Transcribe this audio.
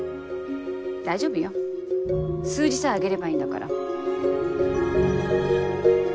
大丈夫よ数字さえ上げればいいんだから。